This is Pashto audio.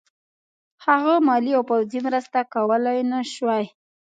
هغه مالي او پوځي مرسته کولای نه شوای.